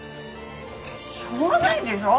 しょうがないでしょ